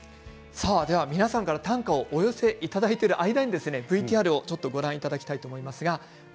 皆さんから短歌をお寄せいただいている間にＶＴＲをご覧いただきます。